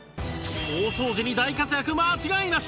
大掃除に大活躍間違いなし